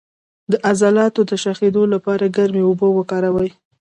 د عضلاتو د شخیدو لپاره ګرمې اوبه وکاروئ